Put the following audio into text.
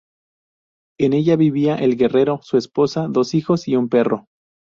En ella vivía el guerrero, su esposa, dos hijos y un perro.